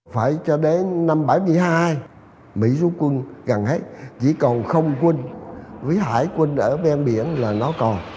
phải cho đến năm bảy mươi hai mỹ rút quân gần hết chỉ còn không quân với hải quân ở ven biển là nó còn